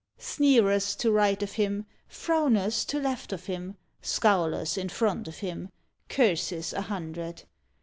III. Sneerers to right of him, Frowners to left of him, Scowlers in front of him. Curses a hundred.